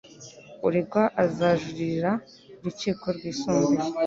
Uregwa azajuririra urukiko rwisumbuye.